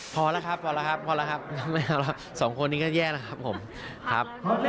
พอแล้วครับสองคนนี้ก็แย่แล้วครับผมครับ